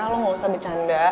lo gak usah bercanda